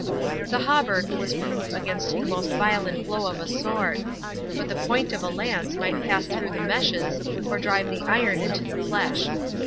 The hauberk was proof against the most violent blow of a sword; but the point of a lance might pass through the meshes, or drive the iron into the flesh.